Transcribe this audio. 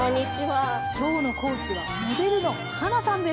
今日の講師はモデルのはなさんです。